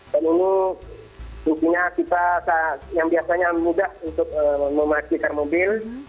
dan ini sebetulnya kita yang biasanya mudah untuk memastikan mobil